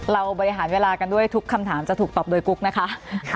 บริหารเวลากันด้วยทุกคำถามจะถูกตอบโดยกุ๊กนะคะ